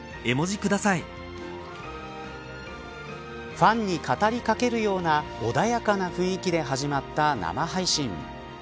ファンに語りかけるような穏やかな雰囲気で始まった生配信。